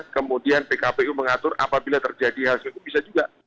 kemudian pkpu mengatur apabila terjadi hal sebegitu bisa juga